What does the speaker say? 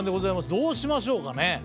どうしましょうかね？